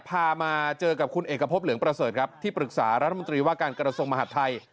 มาเจอกับคุณเอกพบเหลืองประเสริฐครับที่ปรึกษารัฐมนตรีว่าการกระทรวงมหาดไทย